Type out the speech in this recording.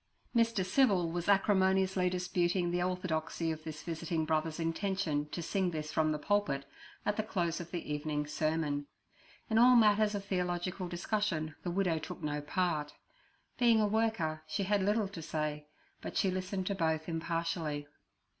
Mr. Civil was acrimoniously disputing the orthodoxy of this visiting brother's intention to sing this from the pulpit at the close of the evening sermon. In all matters of theological discussion the widow took no part; being a worker, she had little to say, but she listened to both impartially.